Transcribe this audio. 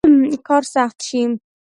کار سخت شي.